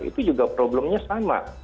itu juga problemnya sama